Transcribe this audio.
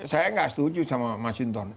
saya nggak setuju sama mas hinton